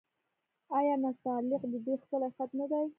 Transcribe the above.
آیا نستعلیق د دوی ښکلی خط نه دی؟